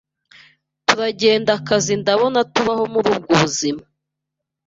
turagenda akazi ndakabona tubaho muri ubwo buzima